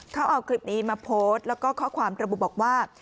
เขาเอาคลิปนี้มาโพสต์แล้วก็ข้อความระบุบอกว่า